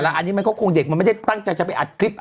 อันนี้มันก็คงเด็กมันไม่ได้ตั้งใจจะไปอัดคลิป